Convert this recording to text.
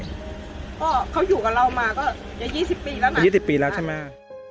ก็เขาอยู่กับเรามาก็จะยี่สิบปีแล้วนะยี่สิบปีแล้วใช่ไหม